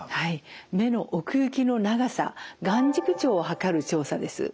目の奥行きの長さ眼軸長を測る調査です。